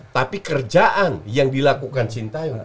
tapi kerjaan yang dilakukan sintayong